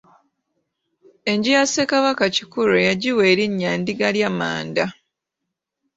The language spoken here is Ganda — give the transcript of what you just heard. Enju ya Ssekabaka Kikulwe yagiwa erinnya Ndigalyamadda.